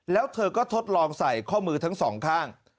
แล้วเธอก็ทดลองใส่ข้อมือทั้งสองข้าง